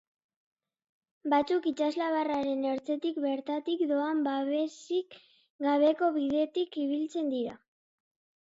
Batzuk itsaslabarraren ertzetik bertatik doan babesik gabeko bidetik ibiltzen dira.